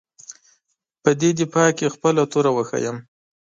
په دې دفاع کې خپله توره وښیيم.